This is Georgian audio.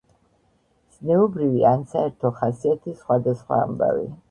ზნეობრივი ან საერო ხასიათის სხვადასხვა ამბავი